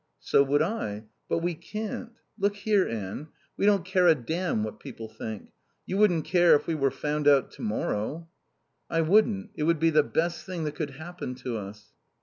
"So would I. But we can't.... Look here, Anne. We don't care a damn what people think. You wouldn't care if we were found out to morrow " "I wouldn't. It would be the best thing that could happen to us."